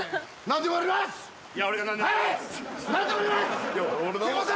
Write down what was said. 何でもやります